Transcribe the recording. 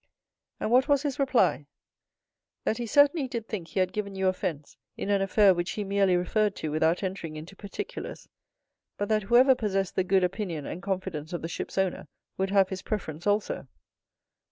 "And what was his reply?" "That he certainly did think he had given you offence in an affair which he merely referred to without entering into particulars, but that whoever possessed the good opinion and confidence of the ship's owners would have his preference also."